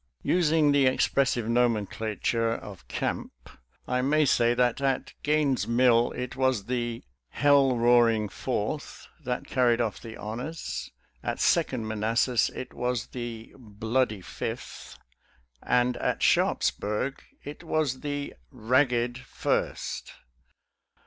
Using the expressive nomenclature of camp, I may say that at Gaines' Mill it was the " Hell roaring Fourth " that carried off the honors ; at Second Manassas it was the " Bloody Fifth," and at Sharpsburg it was the " Kagged First."